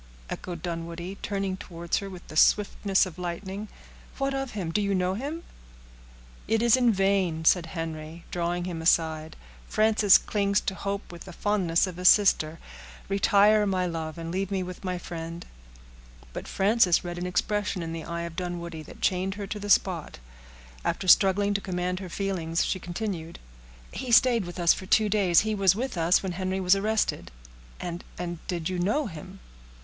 echoed Dunwoodie, turning towards her with the swiftness of lightning; "what of him? Do you know him?" "It is in vain," said Henry, drawing him aside; "Frances clings to hope with the fondness of a sister. Retire, my love, and leave me with my friend." But Frances read an expression in the eye of Dunwoodie that chained her to the spot. After struggling to command her feelings, she continued,— "He stayed with us for two days—he was with us when Henry was arrested." "And—and—did you know him?"